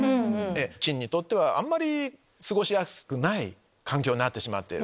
菌にとっては過ごしやすくない環境になってしまってる。